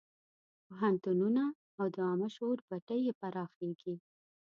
پوهنتونونه او د عامه شعور بټۍ یې پراخېږي.